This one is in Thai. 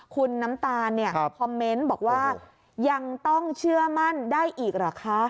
คุณน้ำตาลคอมเมนต์บอกว่ายังต้องเชื่อมั่นได้อีกเหรอคะ